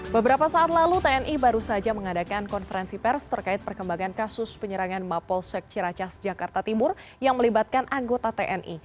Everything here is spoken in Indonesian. beberapa saat lalu tni baru saja mengadakan konferensi pers terkait perkembangan kasus penyerangan mapolsek ciracas jakarta timur yang melibatkan anggota tni